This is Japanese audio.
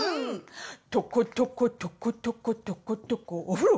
とことことことことことこお風呂！